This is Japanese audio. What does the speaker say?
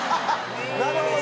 なるほどね。